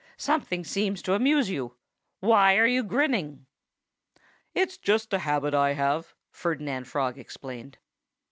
"Something seems to amuse you. Why are you grinning?" "It's just a habit I have," Ferdinand Frog explained.